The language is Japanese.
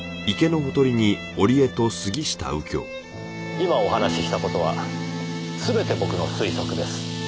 今お話しした事はすべて僕の推測です。